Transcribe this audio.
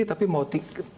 tapi mau tinggi